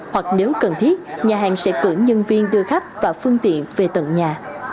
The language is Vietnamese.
hoặc nếu cần thiết nhà hàng sẽ cử nhân viên đưa khách và phương tiện về tận nhà